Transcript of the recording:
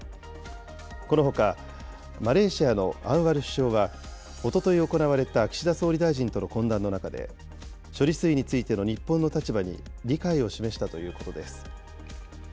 このほかマレーシアのアンワル首相は、おととい行われた岸田総理大臣との懇談の中で、処理水についての日本の立場に理解を示したということです。